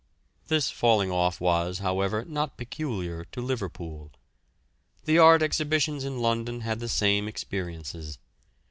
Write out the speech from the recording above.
This falling off was, however, not peculiar to Liverpool. The art exhibitions in London had the same experiences.